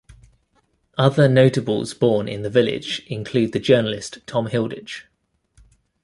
Other notables born in the village include the journalist Tom Hilditch.